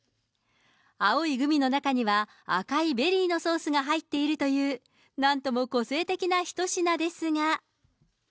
青いグミの中には、赤いベリーのソースが入っているという、なんとも個性的な一品ですが。